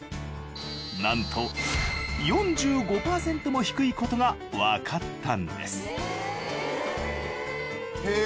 なんと４５％も低いことがわかったんです